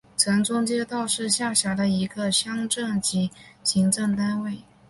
城中街道是下辖的一个乡镇级行政单位。